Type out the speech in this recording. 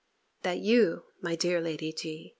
That you, my dear Lady G.